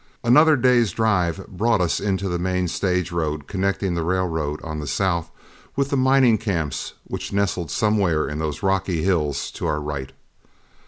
Another day's drive brought us into the main stage road connecting the railroad on the south with the mining camps which nestled somewhere in those rocky hills to our right.